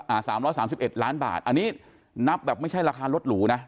สามร้อยสามสิบเอ็ดล้านบาทอันนี้นับแบบไม่ใช่ราคารถหรูนะ